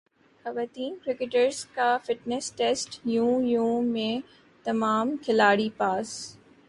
خواتین کرکٹرز کا fitness test yo yo میں تمام کھلاڑی پاس